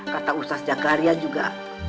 kata ustaz jagaria juga